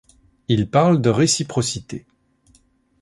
Il parle de réciprocité.